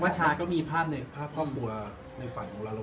ครอบครัวเป็นยังไงก็มีภาพทุกคนล่ะแต่ว่ามันจะเป็นแบบที่เราคิดว่าไหม